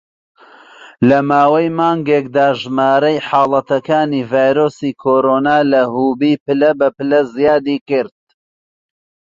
لە ماوەی مانگێکدا، ژمارەی حاڵەتەکانی ڤایرۆسی کۆرۆنا لە هوبی پلە بە پلە زیادی کرد.